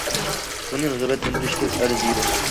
بۇنى رىغبەتلەندۈرۈشكە ئەرزىيدۇ.